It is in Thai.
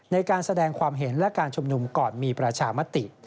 ในการแสดงความเห็นและการชุมนุมก่อนมีประชามติ